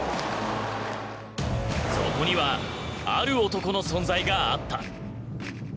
そこにはある男の存在があった。